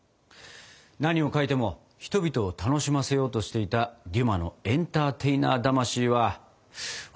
何を書いても人々を楽しませようとしていたデュマのエンターテイナー魂は分かる気がするな。